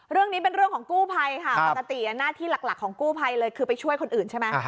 เรื่องนี้เป็นเรื่องของกู้ภัยค่ะปกติหน้าที่หลักของกู้ภัยเลยคือไปช่วยคนอื่นใช่ไหม